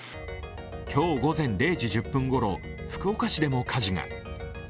今日午前０時１０分ごろ、福岡市でも火事が。